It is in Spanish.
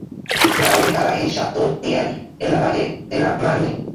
Está ubicada en Château-Thierry en la Valle de la Marne.